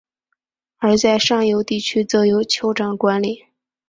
而在上游地区则由酋长管领。